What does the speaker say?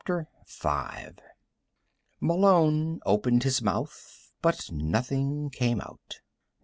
"] V Malone opened his mouth, but nothing came out.